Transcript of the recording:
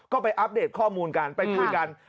ก็ไปอัปเดตข้อมูลกันไปคุยกัน